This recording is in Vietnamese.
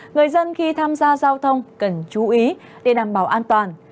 người dân khi tham gia giao thông cần chú ý để đảm bảo an toàn